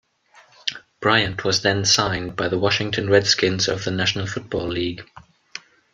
Bryant was then signed by the Washington Redskins of the National Football League.